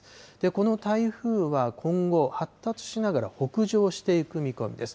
この台風は今後、発達しながら北上していく見込みです。